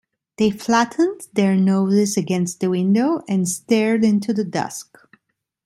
They flattened their noses against the window, and stared into the dusk.